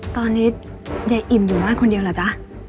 ตอนนี้ยายอิ่มอยู่บ้านคนเดียวเหรอจ๊ะ